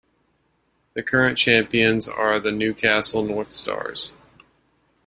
The current champions are the Newcastle Northstars.